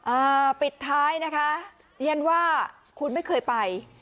อ่าปิดท้ายนะคะเรียนว่าคุณไม่เคยไป